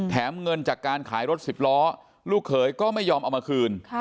เงินจากการขายรถสิบล้อลูกเขยก็ไม่ยอมเอามาคืน